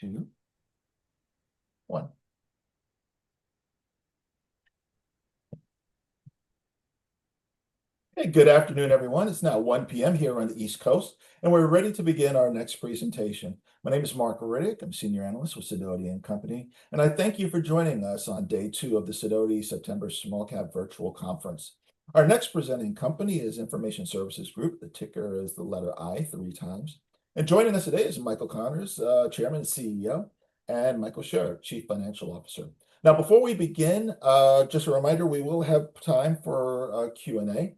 Two, one. Hey, good afternoon, everyone. It's now 1:00 P.M. here on the East Coast, and we're ready to begin our next presentation. My name is Marc Riddick. I'm a senior analyst with Sidoti & Company, and I thank you for joining us on day two of the Sidoti September Small-Cap Virtual Conference. Our next presenting company is Information Services Group. The ticker is the letter I three times. And joining us today is Michael Connors, Chairman and CEO, and Michael Sherrick, Chief Financial Officer. Now, before we begin, just a reminder, we will have time for Q&A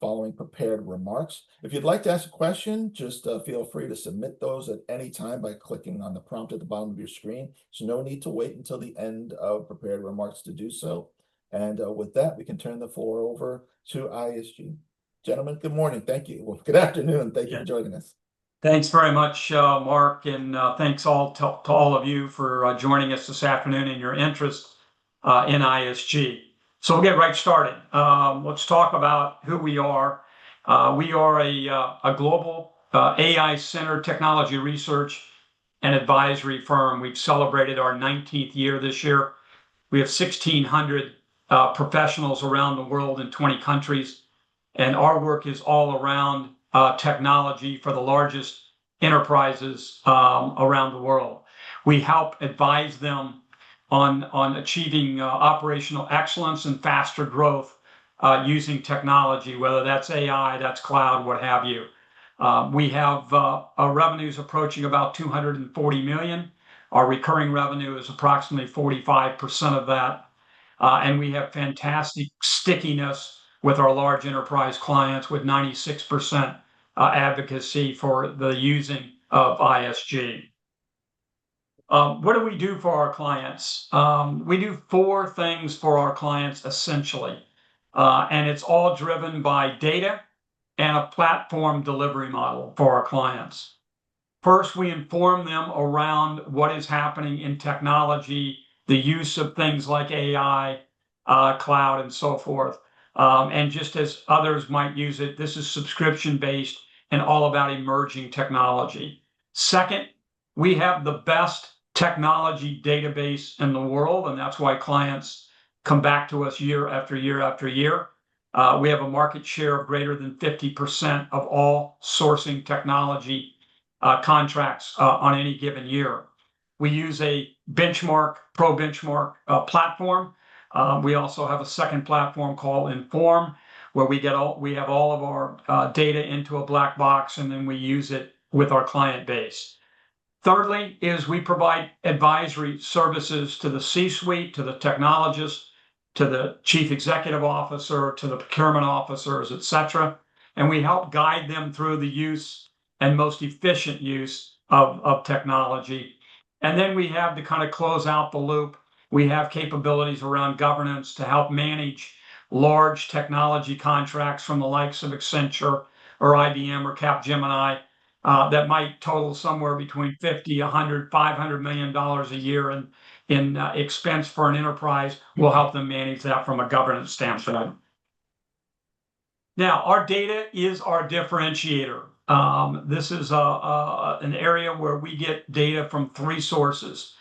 following prepared remarks. If you'd like to ask a question, just feel free to submit those at any time by clicking on the prompt at the bottom of your screen. There's no need to wait until the end of prepared remarks to do so. With that, we can turn the floor over to ISG. Gentlemen, good morning. Thank you. Good afternoon. Thank you for joining us. Thanks very much, Marc, and thanks to all of you for joining us this afternoon and your interest in ISG. So we'll get right started. Let's talk about who we are. We are a global AI-centered technology research and advisory firm. We've celebrated our 19th year this year. We have 1,600 professionals around the world in 20 countries, and our work is all around technology for the largest enterprises around the world. We help advise them on achieving operational excellence and faster growth using technology, whether that's AI, that's cloud, what have you. We have revenues approaching about $240 million. Our recurring revenue is approximately 45% of that, and we have fantastic stickiness with our large enterprise clients with 96% advocacy for the using of ISG. What do we do for our clients? We do four things for our clients, essentially, and it's all driven by data and a platform delivery model for our clients. First, we inform them around what is happening in technology, the use of things like AI, cloud, and so forth and just as others might use it. This is subscription-based and all about emerging technology. Second, we have the best technology database in the world, and that's why clients come back to us year-after-year-after-year. We have a market share of greater than 50% of all sourcing technology contracts on any given year. We use a ProBenchmark platform. We also have a second platform called Inform, where we have all of our data into a black box, and then we use it with our client base. Thirdly, we provide advisory services to the C-suite, to the technologists, to the chief executive officer, to the procurement officers, et cetera, and we help guide them through the use and most efficient use of technology. And then we have to kind of close out the loop. We have capabilities around governance to help manage large technology contracts from the likes of Accenture or IBM or Capgemini that might total somewhere between $50 million, $100 million, $500 million a year in expense for an enterprise. We'll help them manage that from a governance standpoint. Now, our data is our differentiator. This is an area where we get data from three sources.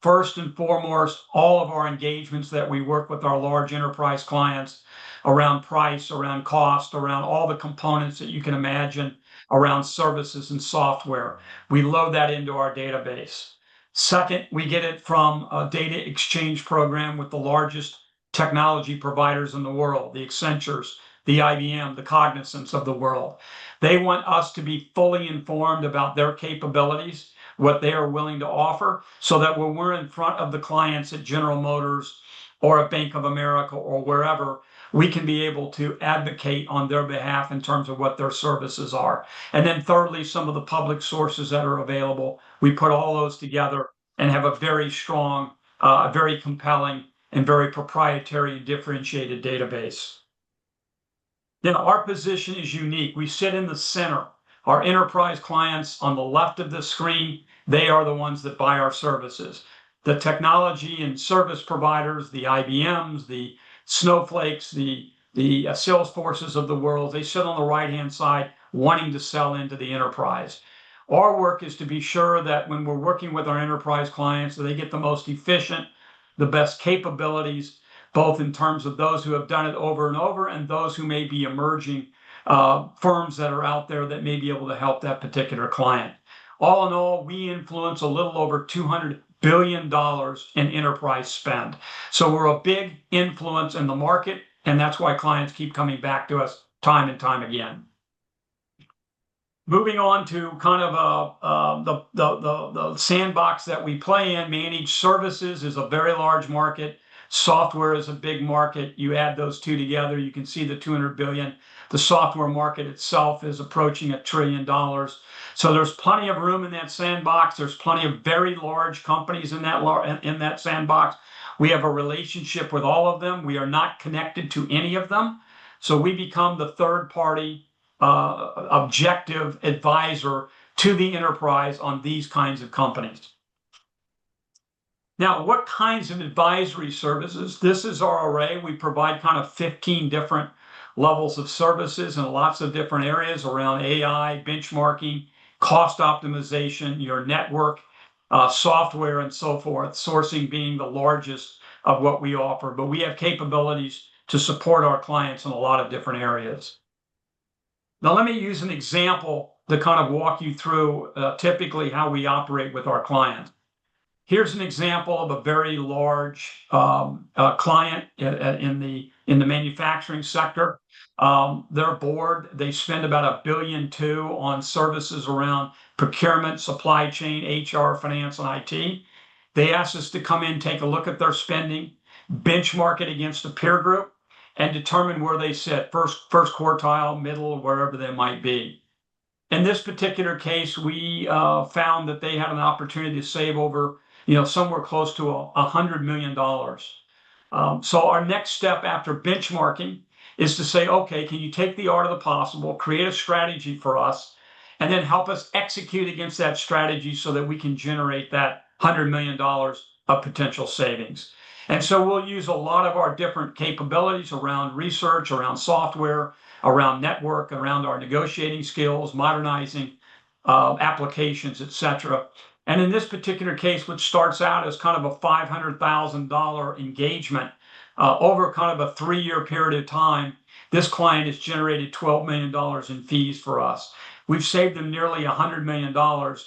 First and foremost, all of our engagements that we work with our large enterprise clients around price, around cost, around all the components that you can imagine around services and software. We load that into our database. Second, we get it from a data exchange program with the largest technology providers in the world, the Accenture, the IBM, the Cognizants of the world. They want us to be fully informed about their capabilities, what they are willing to offer, so that when we're in front of the clients at General Motors or a Bank of America or wherever, we can be able to advocate on their behalf in terms of what their services are, and then thirdly, some of the public sources that are available. We put all those together and have a very strong, very compelling, and very proprietary and differentiated database. Now, our position is unique. We sit in the center. Our enterprise clients on the left of the screen, they are the ones that buy our services. The technology and service providers, the IBMs, the Snowflakes, the Salesforces of the world, they sit on the right-hand side wanting to sell into the enterprise. Our work is to be sure that when we're working with our enterprise clients, they get the most efficient, the best capabilities, both in terms of those who have done it over and over and those who may be emerging firms that are out there that may be able to help that particular client. All in all, we influence a little over $200 billion in enterprise spend, so we're a big influence in the market, and that's why clients keep coming back to us time and time again. Moving on to kind of the sandbox that we play in, managed services is a very large market. Software is a big market. You add those two together, you can see the $200 billion. The software market itself is approaching $1 trillion. So there's plenty of room in that sandbox. There's plenty of very large companies in that sandbox. We have a relationship with all of them. We are not connected to any of them. So we become the third-party objective advisor to the enterprise on these kinds of companies. Now, what kinds of advisory services? This is our array. We provide kind of 15 different levels of services in lots of different areas around AI, benchmarking, cost optimization, your network, software, and so forth, sourcing being the largest of what we offer. But we have capabilities to support our clients in a lot of different areas. Now, let me use an example to kind of walk you through typically how we operate with our clients. Here's an example of a very large client in the manufacturing sector. Their board. They spend about a billion, two, on services around procurement, supply chain, HR, finance, and IT. They asked us to come in, take a look at their spending, benchmark it against a peer group, and determine where they sit, first quartile, middle, wherever they might be. In this particular case, we found that they had an opportunity to save over somewhere close to $100 million. So our next step after benchmarking is to say, "Okay, can you take the art of the possible, create a strategy for us, and then help us execute against that strategy so that we can generate that $100 million of potential savings?" And so we'll use a lot of our different capabilities around research, around software, around network, around our negotiating skills, modernizing applications, et cetera. In this particular case, which starts out as kind of a $500,000 engagement over kind of a three-year period of time, this client has generated $12 million in fees for us. We've saved them nearly $100 million,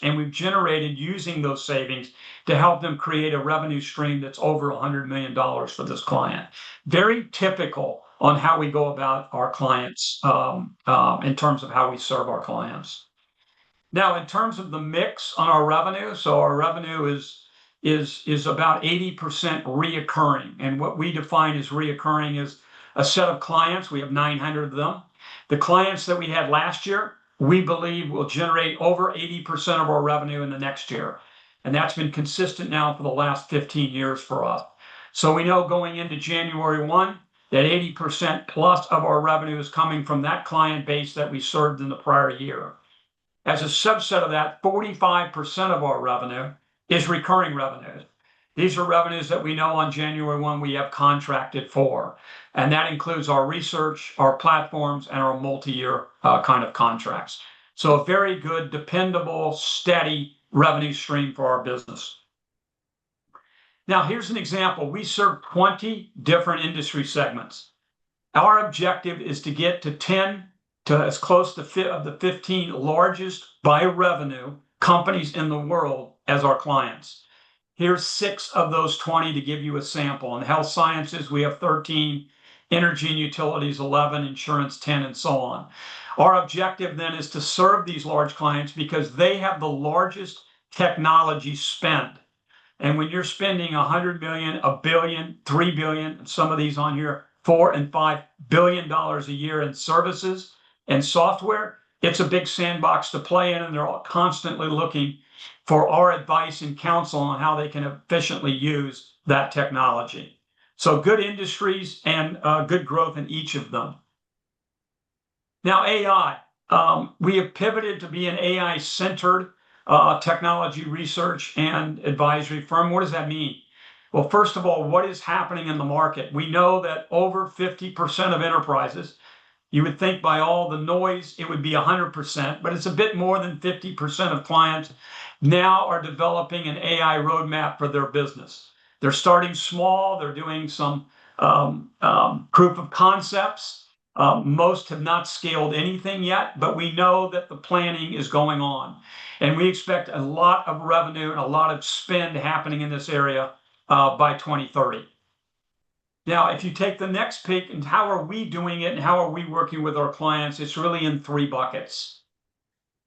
and we've generated using those savings to help them create a revenue stream that's over $100 million for this client. Very typical on how we go about our clients in terms of how we serve our clients. Now, in terms of the mix on our revenue, so our revenue is about 80% recurring. And what we define as recurring is a set of clients. We have 900 of them. The clients that we had last year, we believe, will generate over 80% of our revenue in the next year. That's been consistent now for the last 15 years for us. We know going into January 1 that 80%+ of our revenue is coming from that client base that we served in the prior year. As a subset of that, 45% of our revenue is recurring revenue. These are revenues that we know on January 1 we have contracted for. And that includes our research, our platforms, and our multi-year kind of contracts. So a very good, dependable, steady revenue stream for our business. Now, here's an example. We serve 20 different industry segments. Our objective is to get to 10, as close to the 15 largest by revenue companies in the world as our clients. Here's six of those 20 to give you a sample. In Health Sciences, we have 13. Energy and utilities, 11. Insurance, 10, and so on. Our objective then is to serve these large clients because they have the largest technology spend. And when you're spending $100 million, $1 billion, $3 billion, and some of these on here, $4 billion and $5 billion dollars a year in services and software, it's a big sandbox to play in, and they're all constantly looking for our advice and counsel on how they can efficiently use that technology. So good industries and good growth in each of them. Now, AI. We have pivoted to be an AI-centered technology research and advisory firm. What does that mean? Well, first of all, what is happening in the market? We know that over 50% of enterprises, you would think by all the noise, it would be 100%, but it's a bit more than 50% of clients now are developing an AI roadmap for their business. They're starting small. They're doing some proof of concepts. Most have not scaled anything yet, but we know that the planning is going on. We expect a lot of revenue and a lot of spend happening in this area by 2030. Now, if you take the next slide and how are we doing it and how are we working with our clients, it's really in three buckets.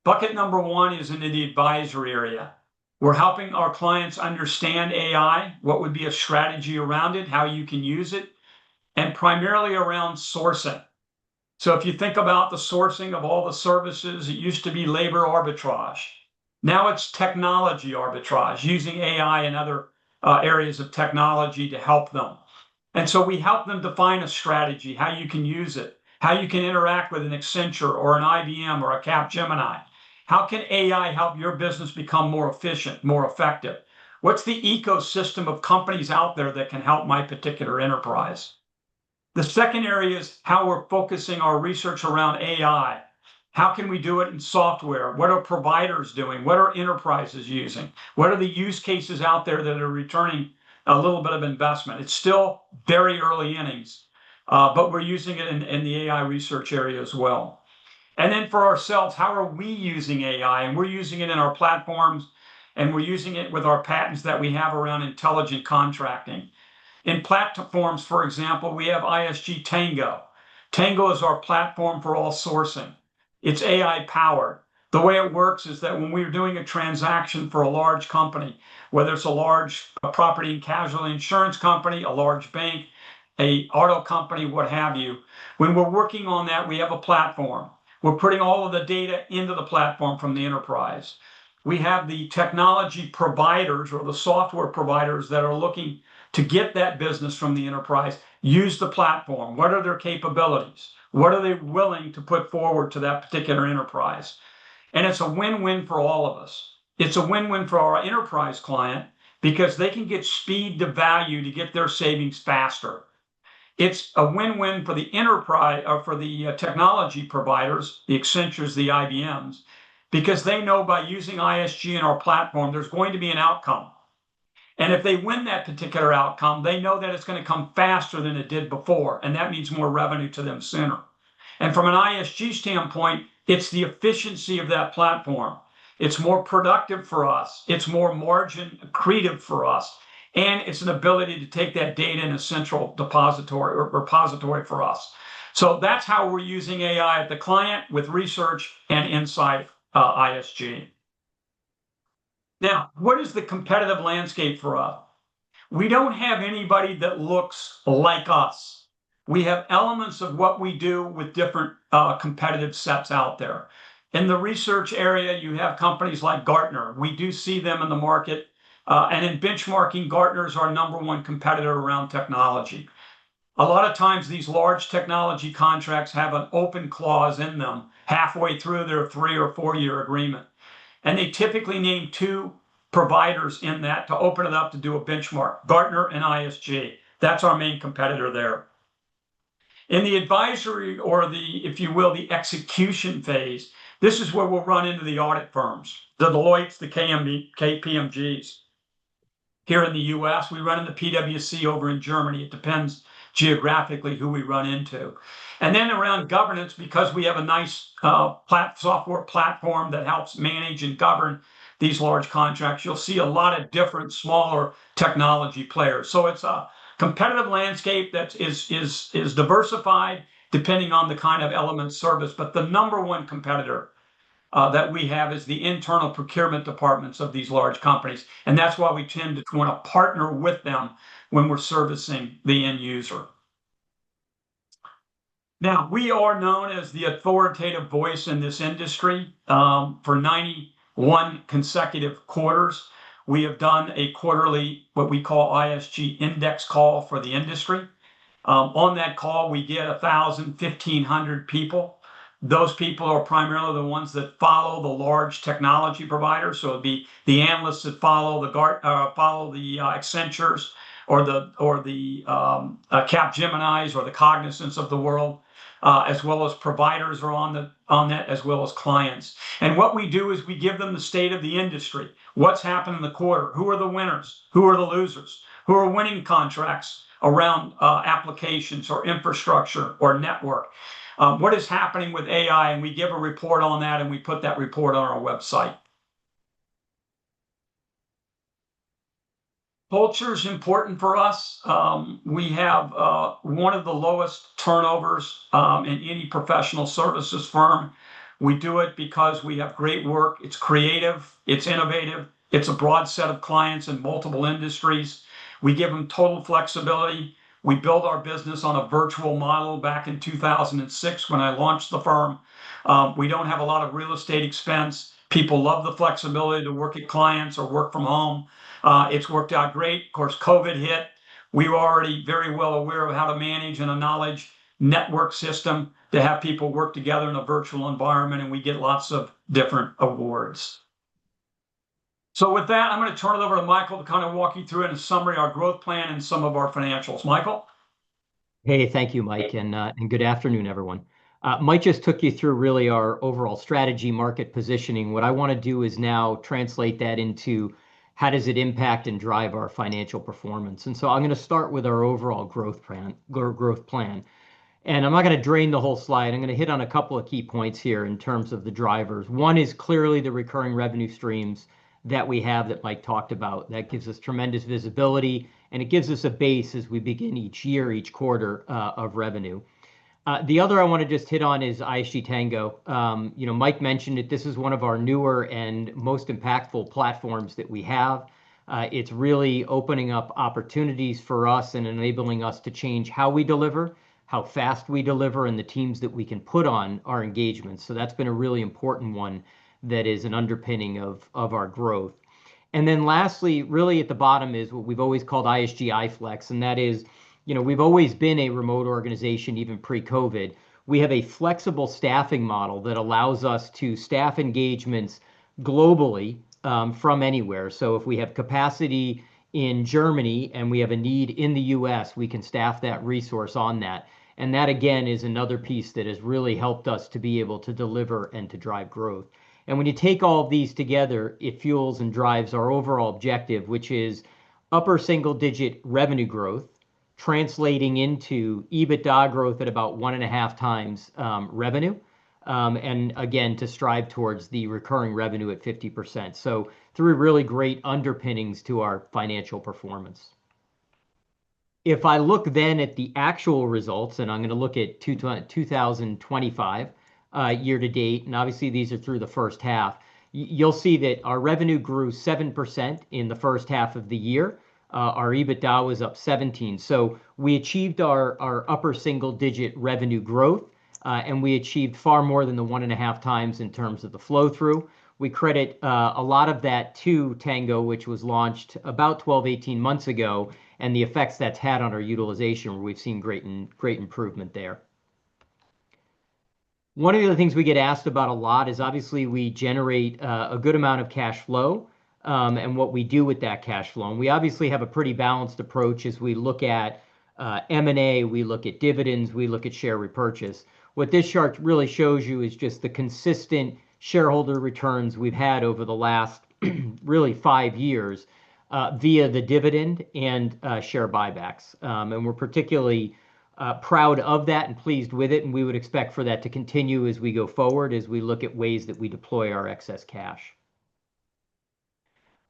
Bucket number one is in the advisory area. We're helping our clients understand AI, what would be a strategy around it, how you can use it, and primarily around sourcing. So if you think about the sourcing of all the services, it used to be labor arbitrage. Now it's technology arbitrage using AI and other areas of technology to help them. And so we help them define a strategy, how you can use it, how you can interact with an Accenture or an IBM or a Capgemini. How can AI help your business become more efficient, more effective? What's the ecosystem of companies out there that can help my particular enterprise? The second area is how we're focusing our research around AI. How can we do it in software? What are providers doing? What are enterprises using? What are the use cases out there that are returning a little bit of investment? It's still very early innings, but we're using it in the AI research area as well. And then for ourselves, how are we using AI? And we're using it in our platforms, and we're using it with our patents that we have around intelligent contracting. In platforms, for example, we have ISG Tango. Tango is our platform for all sourcing. It's AI-powered. The way it works is that when we are doing a transaction for a large company, whether it's a large property and casualty insurance company, a large bank, an auto company, what have you, when we're working on that, we have a platform. We're putting all of the data into the platform from the enterprise. We have the technology providers or the software providers that are looking to get that business from the enterprise use the platform. What are their capabilities? What are they willing to put forward to that particular enterprise? And it's a win-win for all of us. It's a win-win for our enterprise client because they can get speed to value to get their savings faster. It's a win-win for the technology providers, the Accentures, the IBMs, because they know by using ISG and our platform, there's going to be an outcome. And if they win that particular outcome, they know that it's going to come faster than it did before, and that means more revenue to them sooner. And from an ISG standpoint, it's the efficiency of that platform. It's more productive for us. It's more margin accretive for us. And it's an ability to take that data in a central repository for us. So that's how we're using AI at the client with research and inside ISG. Now, what is the competitive landscape for us? We don't have anybody that looks like us. We have elements of what we do with different competitive sets out there. In the research area, you have companies like Gartner. We do see them in the market. And in benchmarking, Gartner is our number one competitor around technology. A lot of times, these large technology contracts have an open clause in them halfway through their three- or four-year agreement. And they typically name two providers in that to open it up to do a benchmark, Gartner and ISG. That's our main competitor there. In the advisory or the, if you will, the execution phase, this is where we'll run into the audit firms, the Deloittes, the KPMGs. Here in the U.S., we run in the PwC over in Germany. It depends geographically who we run into. And then around governance, because we have a nice software platform that helps manage and govern these large contracts, you'll see a lot of different smaller technology players. So it's a competitive landscape that is diversified depending on the kind of element service. But the number one competitor that we have is the internal procurement departments of these large companies. And that's why we tend to want to partner with them when we're servicing the end user. Now, we are known as the authoritative voice in this industry. For 91 consecutive quarters, we have done a quarterly what we call ISG Index call for the industry. On that call, we get 1,000, 1,500 people. Those people are primarily the ones that follow the large technology providers. So it'd be the analysts that follow the Accenture or the Capgemini or the Cognizant of the world, as well as providers are on that, as well as clients. And what we do is we give them the state of the industry. What's happened in the quarter? Who are the winners? Who are the losers? Who are winning contracts around applications or infrastructure or network? What is happening with AI? We give a report on that, and we put that report on our website. Culture is important for us. We have one of the lowest turnovers in any professional services firm. We do it because we have great work. It's creative. It's innovative. It's a broad set of clients in multiple industries. We give them total flexibility. We build our business on a virtual model back in 2006 when I launched the firm. We don't have a lot of real estate expense. People love the flexibility to work at clients or work from home. It's worked out great. Of course, COVID hit. We were already very well aware of how to manage and acknowledge a network system to have people work together in a virtual environment, and we get lots of different awards. So with that, I'm going to turn it over to Michael to kind of walk you through, in a summary, our growth plan and some of our financials. Michael? Hey, thank you, Mike. And good afternoon, everyone. Mike just took you through, really, our overall strategy, market positioning. What I want to do is now translate that into how does it impact and drive our financial performance. And so I'm going to start with our overall growth plan. And I'm not going to drone on the whole slide. I'm going to hit on a couple of key points here in terms of the drivers. One is clearly the recurring revenue streams that we have that Mike talked about. That gives us tremendous visibility, and it gives us a base as we begin each year, each quarter of revenue. The other I want to just hit on is ISG Tango. Mike mentioned that this is one of our newer and most impactful platforms that we have. It's really opening up opportunities for us and enabling us to change how we deliver, how fast we deliver, and the teams that we can put on our engagements, so that's been a really important one that is an underpinning of our growth, and then lastly, really at the bottom is what we've always called ISG iFlex, and that is we've always been a remote organization, even pre-COVID. We have a flexible staffing model that allows us to staff engagements globally from anywhere, so if we have capacity in Germany and we have a need in the U.S., we can staff that resource on that, and that, again, is another piece that has really helped us to be able to deliver and to drive growth. And when you take all of these together, it fuels and drives our overall objective, which is upper single-digit revenue growth, translating into EBITDA growth at about 1.5x revenue, and again, to strive towards the recurring revenue at 50%. So three really great underpinnings to our financial performance. If I look then at the actual results, and I'm going to look at 2025 year-to-date, and obviously, these are through the first half, you'll see that our revenue grew 7% in the first half of the year. Our EBITDA was up 17%. So we achieved our upper single-digit revenue growth, and we achieved far more than the 1.5x in terms of the flow-through. We credit a lot of that to Tango, which was launched about 12, 18 months ago, and the effects that's had on our utilization, where we've seen great improvement there. One of the other things we get asked about a lot is, obviously, we generate a good amount of cash flow and what we do with that cash flow. And we obviously have a pretty balanced approach as we look at M&A, we look at dividends, we look at share repurchase. What this chart really shows you is just the consistent shareholder returns we've had over the last really five years via the dividend and share buybacks. And we're particularly proud of that and pleased with it. And we would expect for that to continue as we go forward, as we look at ways that we deploy our excess cash.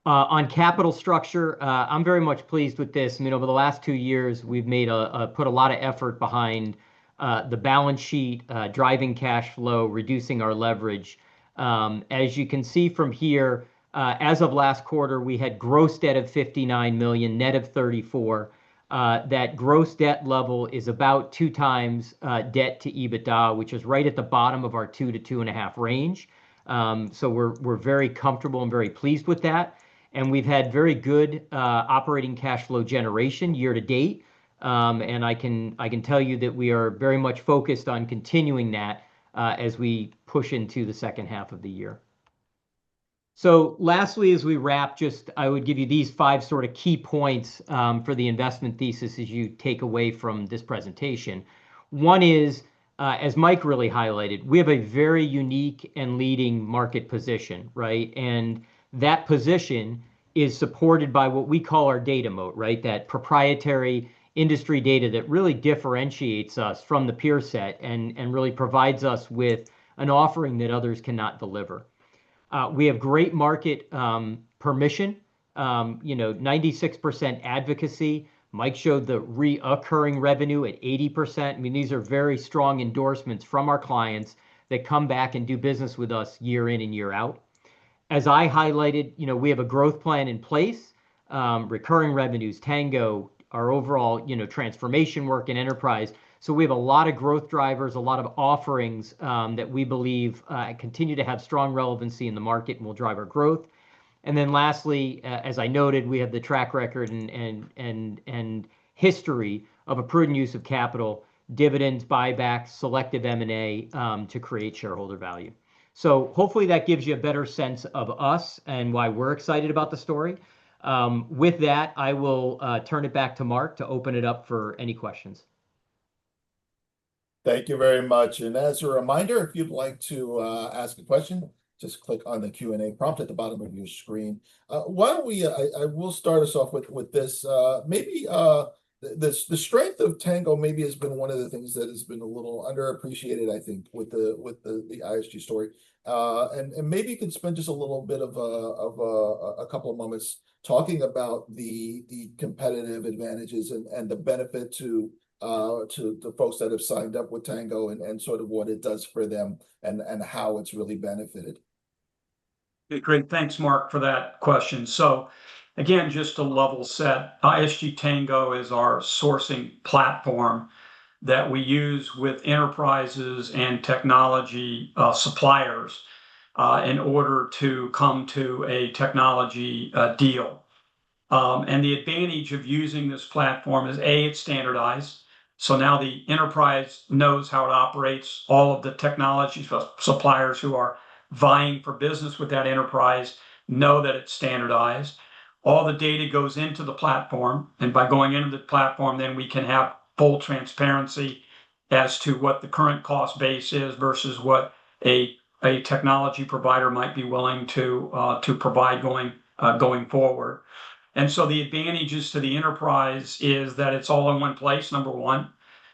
On capital structure, I'm very much pleased with this. I mean, over the last two years, we've put a lot of effort behind the balance sheet, driving cash flow, reducing our leverage. As you can see from here, as of last quarter, we had gross debt of $59 million, net of $34 million. That gross debt level is about 2x debt to EBITDA, which is right at the bottom of our 2-2.5x range. So we're very comfortable and very pleased with that. And we've had very good operating cash flow generation year-to-date. And I can tell you that we are very much focused on continuing that as we push into the second half of the year. So lastly, as we wrap, just I would give you these five sort of key points for the investment thesis as you take away from this presentation. One is, as Mike really highlighted, we have a very unique and leading market position, right? And that position is supported by what we call our data moat, right? That proprietary industry data that really differentiates us from the peer set and really provides us with an offering that others cannot deliver. We have great market permission, 96% advocacy. Mike showed the recurring revenue at 80%. I mean, these are very strong endorsements from our clients that come back and do business with us year in and year out. As I highlighted, we have a growth plan in place, recurring revenues, Tango, our overall transformation work in enterprise. So we have a lot of growth drivers, a lot of offerings that we believe continue to have strong relevancy in the market and will drive our growth. And then lastly, as I noted, we have the track record and history of a prudent use of capital, dividends, buybacks, selective M&A to create shareholder value. So hopefully that gives you a better sense of us and why we're excited about the story. With that, I will turn it back to Marc to open it up for any questions. Thank you very much. And as a reminder, if you'd like to ask a question, just click on the Q&A prompt at the bottom of your screen. I will start us off with this. Maybe the strength of Tango has been one of the things that has been a little underappreciated, I think, with the ISG story. And maybe you can spend just a little bit, a couple of moments, talking about the competitive advantages and the benefit to the folks that have signed up with Tango and sort of what it does for them and how it's really benefited. Okay, great. Thanks, Marc, for that question. So again, just to level set, ISG Tango is our sourcing platform that we use with enterprises and technology suppliers in order to come to a technology deal. And the advantage of using this platform is, A, it's standardized. So now the enterprise knows how it operates. All of the technology suppliers who are vying for business with that enterprise know that it's standardized. All the data goes into the platform. And by going into the platform, then we can have full transparency as to what the current cost base is versus what a technology provider might be willing to provide going forward. And so the advantages to the enterprise is that it's all in one place, number one.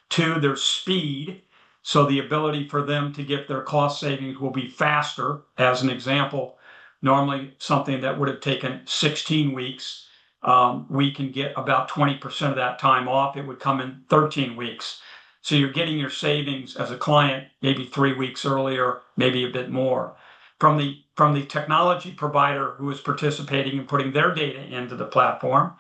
Two, there's speed. So the ability for them to get their cost savings will be faster. As an example, normally something that would have taken 16 weeks, we can get about 20% of that time off. It would come in 13 weeks. So you're getting your savings as a client maybe three weeks earlier, maybe a bit more. From the technology provider who is participating and putting their data into the platform,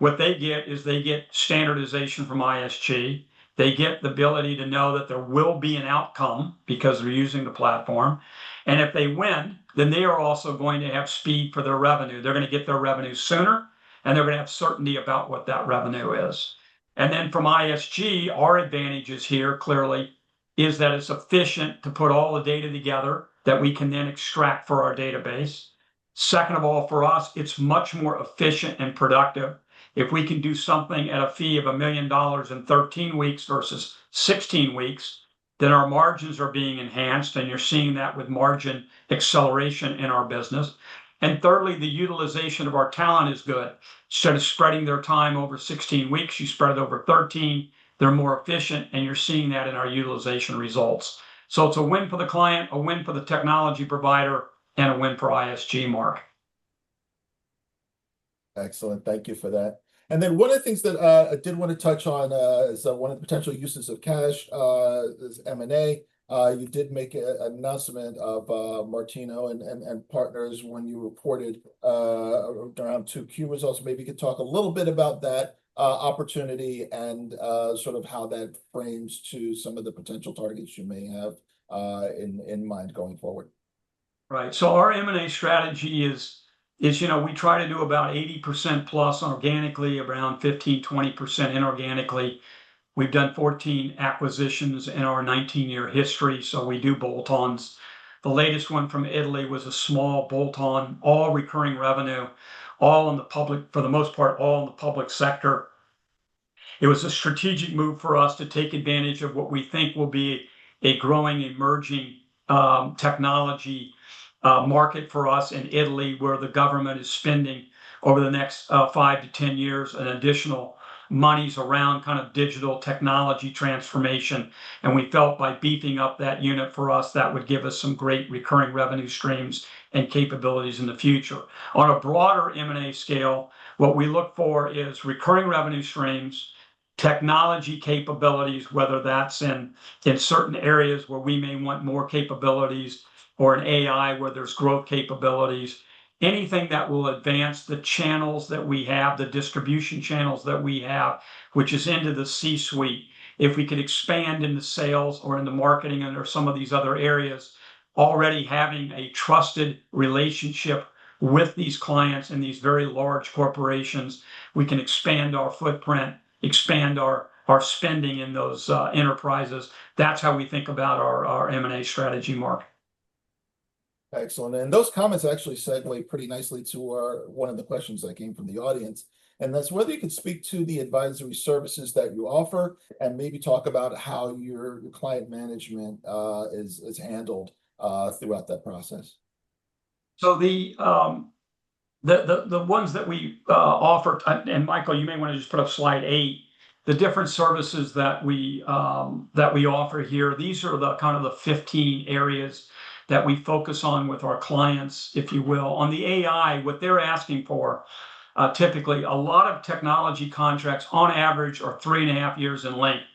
what they get is they get standardization from ISG. They get the ability to know that there will be an outcome because they're using the platform. If they win, then they are also going to have speed for their revenue. They're going to get their revenue sooner, and they're going to have certainty about what that revenue is. From ISG, our advantages here clearly is that it's efficient to put all the data together that we can then extract for our database. Second of all, for us, it's much more efficient and productive. If we can do something at a fee of $1 million in 13 weeks versus 16 weeks, then our margins are being enhanced, and you're seeing that with margin acceleration in our business. Thirdly, the utilization of our talent is good. Instead of spreading their time over 16 weeks, you spread it over 13 weeks. They're more efficient, and you're seeing that in our utilization results. It's a win for the client, a win for the technology provider, and a win for ISG, Marc. Excellent. Thank you for that. One of the things that I did want to touch on is one of the potential uses of cash is M&A. You did make an announcement of Martino & Partners when you reported Q2 key results. Maybe you could talk a little bit about that opportunity and sort of how that frames to some of the potential targets you may have in mind going forward. Right. Our M&A strategy is we try to do about 80%+ organically, around 15%-20% inorganically. We've done 14 acquisitions in our 19-year history. We do bolt-ons. The latest one from Italy was a small bolt-on, all recurring revenue, all in the public, for the most part, all in the public sector. It was a strategic move for us to take advantage of what we think will be a growing, emerging technology market for us in Italy, where the government is spending over the next 5-10 years and additional monies around kind of digital technology transformation, and we felt by beefing up that unit for us, that would give us some great recurring revenue streams and capabilities in the future. On a broader M&A scale, what we look for is recurring revenue streams, technology capabilities, whether that's in certain areas where we may want more capabilities, or an AI where there's growth capabilities, anything that will advance the channels that we have, the distribution channels that we have, which is into the C-suite. If we could expand in the sales or in the marketing and/or some of these other areas, already having a trusted relationship with these clients and these very large corporations, we can expand our footprint, expand our spending in those enterprises. That's how we think about our M&A strategy, Marc. Excellent. Those comments actually segue pretty nicely to one of the questions that came from the audience. That's whether you could speak to the advisory services that you offer and maybe talk about how your client management is handled throughout that process. So the ones that we offer, and Michael, you may want to just put up slide eight, the different services that we offer here, these are kind of the 50 areas that we focus on with our clients, if you will. On the AI, what they're asking for, typically, a lot of technology contracts on average are 3.5 years in length,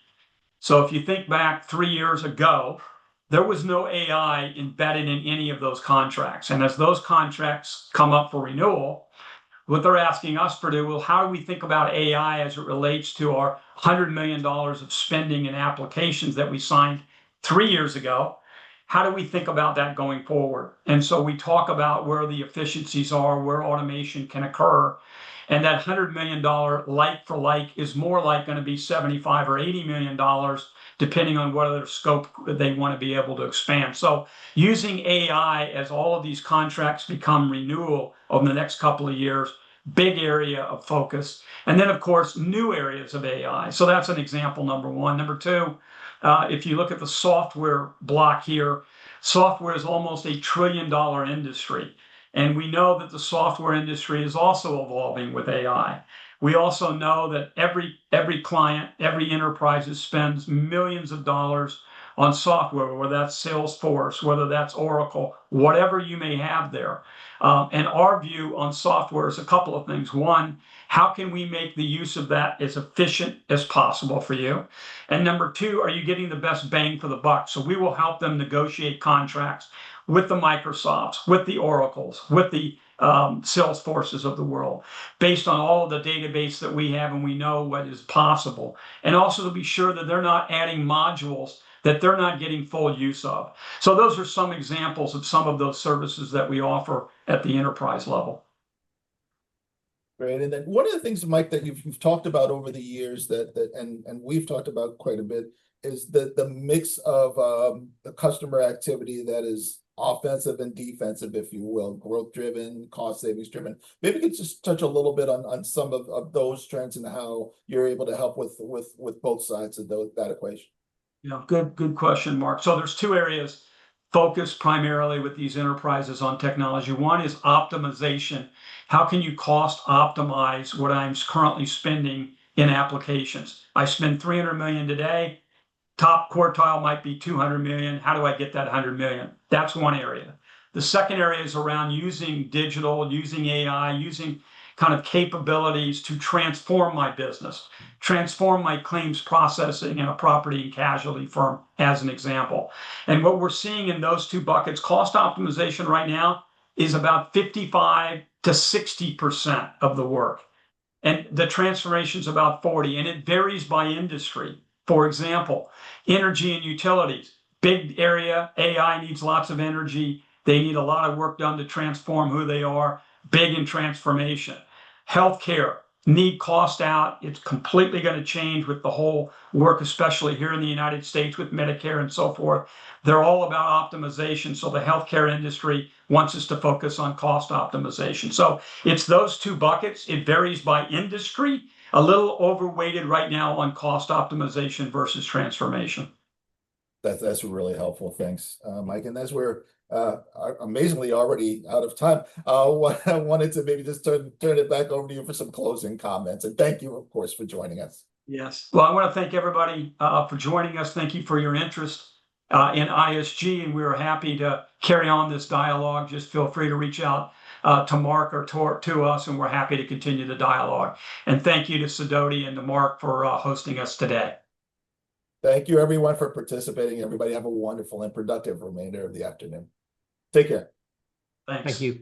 so if you think back 3 years ago, there was no AI embedded in any of those contracts, and as those contracts come up for renewal, what they're asking us for do, well, how do we think about AI as it relates to our $100 million of spending and applications that we signed 3 years ago. How do we think about that going forward, and so we talk about where the efficiencies are, where automation can occur, and that $100 million like-for-like is more like going to be $75 or $80 million, depending on whether their scope they want to be able to expand, so using AI as all of these contracts become renewal over the next couple of years, big area of focus. And then, of course, new areas of AI. So that's an example, number one. Number two, if you look at the software block here, software is almost a trillion-dollar industry. And we know that the software industry is also evolving with AI. We also know that every client, every enterprise that spends millions of dollars on software, whether that's Salesforce, whether that's Oracle, whatever you may have there. And our view on software is a couple of things. One, how can we make the use of that as efficient as possible for you? And number two, are you getting the best bang for the buck? So we will help them negotiate contracts with the Microsofts, with the Oracles, with the Salesforces of the world, based on all of the database that we have and we know what is possible. And also to be sure that they're not adding modules that they're not getting full use of. So those are some examples of some of those services that we offer at the enterprise level. Great. And then one of the things, Mike, that you've talked about over the years and we've talked about quite a bit is the mix of customer activity that is offensive and defensive, if you will, growth-driven, cost-savings-driven. Maybe you could just touch a little bit on some of those trends and how you're able to help with both sides of that equation. Yeah. Good question, Marc. So there's two areas focused primarily with these enterprises on technology. One is optimization. How can you cost-optimize what I'm currently spending in applications? I spend $300 million today. Top quartile might be $200 million. How do I get that $100 million? That's one area. The second area is around using digital, using AI, using kind of capabilities to transform my business, transform my claims processing in a property and casualty firm, as an example. And what we're seeing in those two buckets, cost optimization right now is about 55%-60% of the work. And the transformation is about 40%. And it varies by industry. For example, energy and utilities, big area, AI needs lots of energy. They need a lot of work done to transform who they are, big in transformation. Healthcare, need cost out. It's completely going to change with the whole work, especially here in the United States with Medicare and so forth. They're all about optimization. So the healthcare industry wants us to focus on cost optimization. So it's those two buckets. It varies by industry, a little overweighted right now on cost optimization versus transformation. That's really helpful. Thanks, Mike. And that's where I'm amazingly already out of time. I wanted to maybe just turn it back over to you for some closing comments. And thank you, of course, for joining us. Yes. Well, I want to thank everybody for joining us. Thank you for your interest in ISG. And we're happy to carry on this dialogue. Just feel free to reach out to Marc or talk to us, and we're happy to continue the dialogue. And thank you to Sidoti and to Marc for hosting us today. Thank you, everyone, for participating. Everybody have a wonderful and productive remainder of the afternoon. Take care. Thank you.